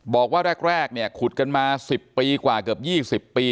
บอกว่าแรกเนี่ยขุดกันมา๑๐ปีกว่าเกือบ๒๐ปี